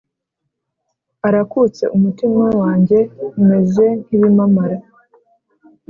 arakutse Umutima wanjye umeze nk ibimamara